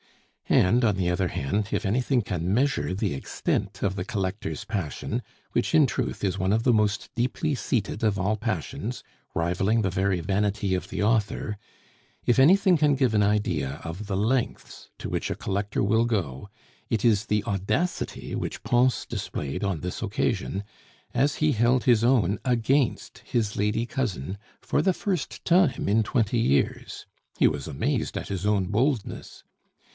And, on the other hand, if anything can measure the extent of the collector's passion, which, in truth, is one of the most deeply seated of all passions, rivaling the very vanity of the author if anything can give an idea of the lengths to which a collector will go, it is the audacity which Pons displayed on this occasion, as he held his own against his lady cousin for the first time in twenty years. He was amazed at his own boldness.